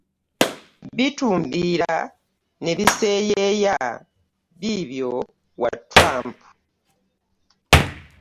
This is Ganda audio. Bitumbiira ne biseeyeeya biibyo wa Trump.